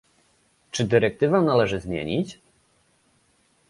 Czy dyrektywę należy zmienić?